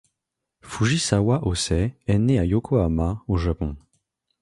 Fujisawa Hosai est né à Yokohama, au Japon.